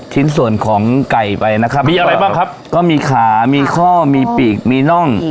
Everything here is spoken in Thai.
ชิ้นส่วนของไก่ไปนะครับมีอะไรบ้างครับก็มีขามีข้อมีปีกมีน่อง